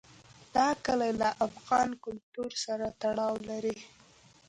دا کلي له افغان کلتور سره تړاو لري.